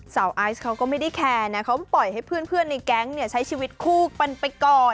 ไอซ์เขาก็ไม่ได้แคร์นะเขาปล่อยให้เพื่อนในแก๊งเนี่ยใช้ชีวิตคู่กันไปก่อน